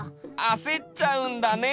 あせっちゃうんだね！